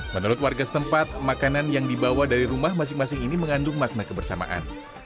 menurut warga setempat makanan yang dibawa dari rumah masing masing ini mengandung makna kebersamaan